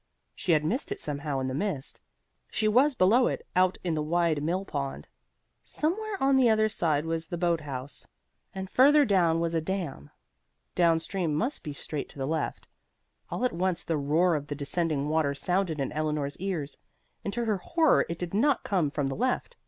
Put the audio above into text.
She had missed it somehow in the mist. She was below it, out in the wide mill pond. Somewhere on the other side was the boat house, and further down was a dam. Down stream must be straight to the left. All at once the roar of the descending water sounded in Eleanor's ears, and to her horror it did not come from the left.